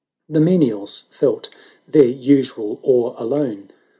The menials felt their usual awe alone.